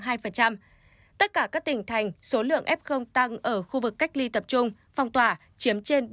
tất cả các tỉnh thành số lượng f tăng ở khu vực cách ly tập trung phong tỏa chiếm trên ba mươi